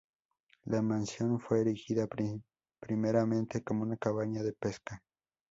La mansión fue erigida primeramente como una cabaña de pesca.